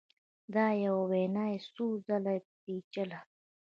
دا یوه وینا یې څو ځله پېچله